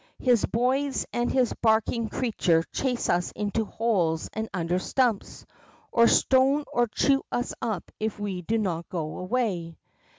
His boys and his bark ing creature chase us into holes and under stumps, or stone or chew us up if we do not get away.